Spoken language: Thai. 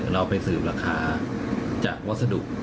เราไปสืบราคาจากวัสดุ